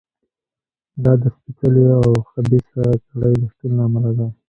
دا د سپېڅلې او خبیثه کړۍ د شتون له امله دی.